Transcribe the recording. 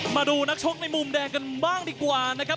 มาดูนักชกในมุมแดงกันบ้างดีกว่านะครับ